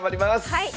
はい。